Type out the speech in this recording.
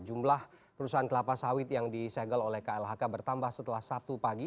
jumlah perusahaan kelapa sawit yang disegel oleh klhk bertambah setelah sabtu pagi